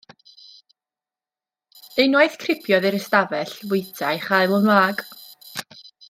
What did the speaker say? Unwaith cripiodd i'r ystafell fwyta a'i chael yn wag.